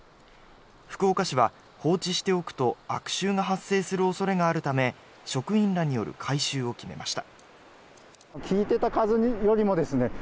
福岡市は、放置しておくと悪臭が発生する恐れがあるため職員らによる回収を決めました。